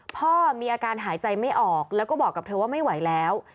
พ่อมีอาการหายใจไม่ออกแล้วก็บอกกับเธอว่าไม่ไหวแล้ว